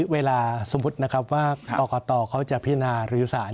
เวลาสมมุตินะครับว่าต่อต่อเขาจะพินาระยุสาร